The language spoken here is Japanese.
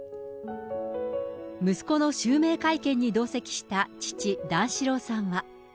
息子の襲名会見に同席した父、段四郎さんは。